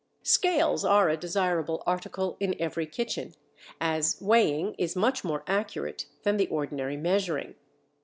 Scales are a desirable article in every kitchen, as weighing is much more accurate than the ordinary measuring.